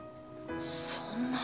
そんな。